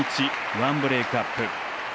１ブレークアップ。